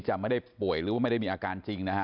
จะไม่ได้ป่วยหรือว่าไม่ได้มีอาการจริงนะฮะ